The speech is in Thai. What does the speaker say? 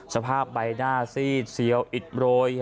สภาพใบหน้าซีดเซียวอิดโรย